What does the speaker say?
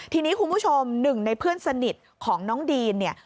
ทีนี้คุณผู้ชมหนึ่งในเพื่อนสนิทของน้องดีนเนี่ย